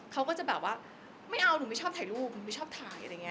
เขาก็จะแบบว่าไม่เอาหนูไม่ชอบถ่ายรูปหนูไม่ชอบถ่าย